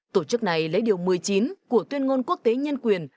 tổ chức này lấy điều một mươi chín của tuyên ngôn quốc tế nhân quyền